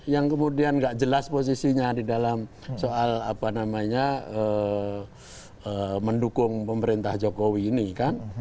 yang kemudian gak jelas posisinya di dalam soal apa namanya mendukung pemerintah jokowi ini kan